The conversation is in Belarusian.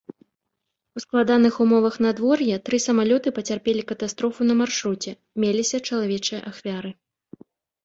У складаных умовах надвор'я тры самалёты пацярпелі катастрофу на маршруце, меліся чалавечыя ахвяры.